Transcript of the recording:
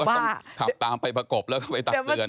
ต้องขับตามไปประกบแล้วก็ไปตักเตือน